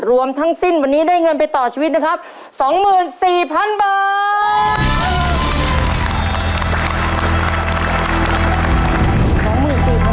รวมทั้งสิ้นวันนี้ได้เงินไปต่อชีวิตนะครับ๒๔๐๐๐บาท